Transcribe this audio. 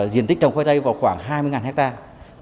diện tích trồng khoai tây vào khoảng hai mươi hectare